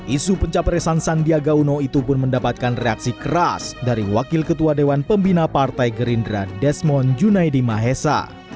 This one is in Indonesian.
isu pencapresan sandiaga uno itu pun mendapatkan reaksi keras dari wakil ketua dewan pembina partai gerindra desmond junaidi mahesa